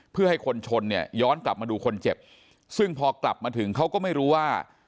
เพื่อให้คนชนเนี่ยย้อนกลับมาดูคนเจ็บซึ่งพอกลับมาถึงเขาก็ไม่รู้ว่า